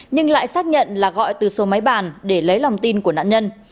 nhưng lại xác nhận là gọi từ số máy bàn để lấy lòng tin của nạn nhân